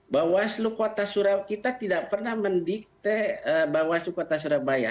bawaslu kota surabaya kita tidak pernah mendikte bawaslu kota surabaya